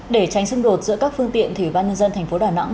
để tránh xung đột giữa các phương tiện thủy ban nhân dân thành phố đà nẵng